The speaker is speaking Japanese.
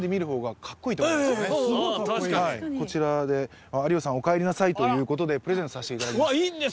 確かにはいこちらで有吉さんおかえりなさいということでプレゼントさせていただきます